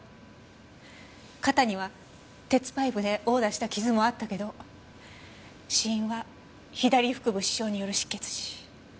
肩には鉄パイプで殴打した傷もあったけど死因は左腹部刺傷による失血死。